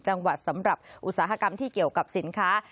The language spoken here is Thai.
จังหวัดสำหรับอุตสาหกรรมที่เกี่ยวกับสินค้า